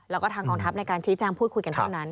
แล้วก็ทางกองทัพในการชี้แจงพูดคุยกันเท่านั้น